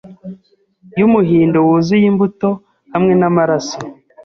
Yumuhindo wuzuye imbuto Hamwe namaraso